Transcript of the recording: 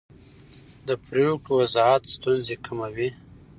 د پرېکړو وضاحت ستونزې کموي